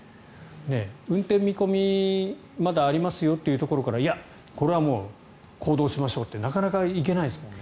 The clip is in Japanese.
運転見込み、まだありますよというところからいや、これはもう行動しましょうってなかなかいけないですもんね。